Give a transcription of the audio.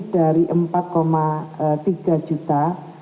pertama ini dari rp empat tiga juta